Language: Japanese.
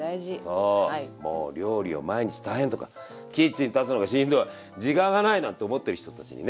そうもう料理を毎日大変とかキッチン立つのがしんどい時間が無いなんて思っている人たちにね。